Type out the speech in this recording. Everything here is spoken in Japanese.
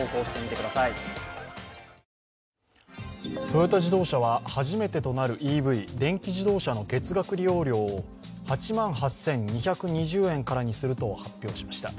トヨタ自動車は初めてとなるＥＶ＝電気自動車の月額利用料を８万８２２０円にすると発表しました。